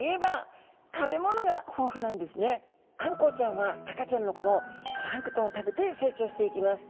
あんこうちゃんは赤ちゃんのころプランクトンを食べて成長していきます。